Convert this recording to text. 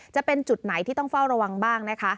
จะเป็นจุดไหนที่ต้องเฝ้าระวังบ้างนะคะ